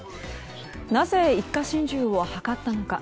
なぜ一家心中を図ったのか。